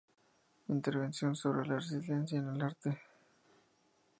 Intervención sobre la resiliencia en el arte.